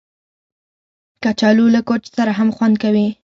کچالو له کوچ سره هم خوند کوي